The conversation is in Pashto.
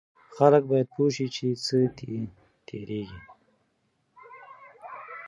خلک باید پوه شي چې څه تیریږي.